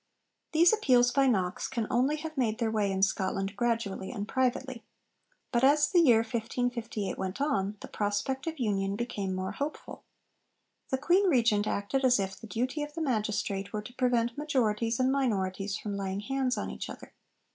These appeals by Knox can only have made their way in Scotland gradually and privately. But as the year 1558 went on, the prospect of union became more hopeful. The Queen Regent acted as if 'the duty of the Magistrate' were to prevent majorities and minorities from laying hands on each other.